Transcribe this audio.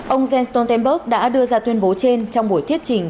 ông jens stoltenberg đã đưa ra tuyên bố trên trong buổi thiết trình